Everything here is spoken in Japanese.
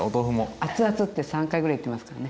あつあつって３回ぐらい言ってますからね。